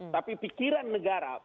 tapi pikiran negara